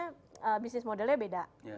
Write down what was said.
misalnya bisnis modelnya beda